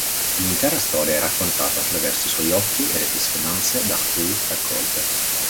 L'intera storia è raccontata attraverso i suoi occhi e le testimonianze da lui raccolte.